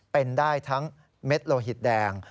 เป็นได้ทั้งเม็ดโลหิตแดง